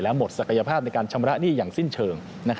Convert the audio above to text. หมดศักยภาพในการชำระหนี้อย่างสิ้นเชิง